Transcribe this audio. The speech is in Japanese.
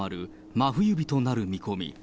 真冬日となる見込み。